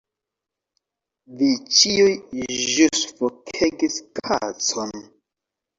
Vi ĉiuj ĵus vokegis "kacon"